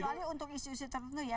kecuali untuk isu isu tertentu ya